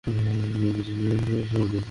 আমি সবসময় সাবধানী।